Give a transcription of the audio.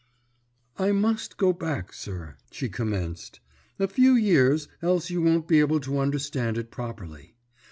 "I must go back sir," she commenced, "a few years, else you won't be able to understand it properly.